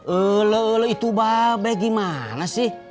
eee lele itu mbak be gimana sih